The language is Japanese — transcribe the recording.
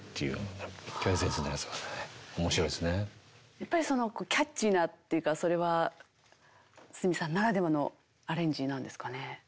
やっぱりそのキャッチーなっていうかそれは筒美さんならではのアレンジなんですかね。